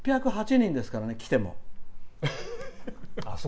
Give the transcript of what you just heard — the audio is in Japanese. ６０８人ですからね、来ても。